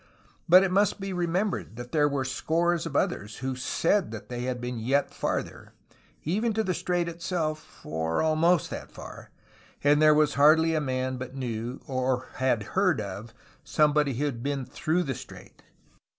But it must be remembered that there were scores of others who said that they had been yet farther — even to the strait itself — or almost that far, — and there was hardly a man but knew, or had heard of, somebody who had bpen through the strait.